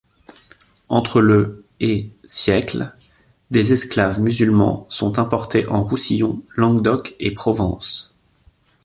Entre le et siècles, des esclaves musulmans sont importés en Roussillon, Languedoc et Provence.